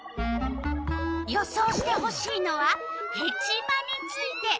予想してほしいのは「ヘチマ」について。